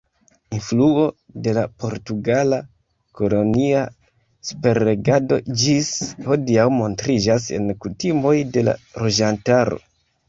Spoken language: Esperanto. Influo de la portugala kolonia superregado ĝis hodiaŭ montriĝas en kutimoj de la loĝantaro.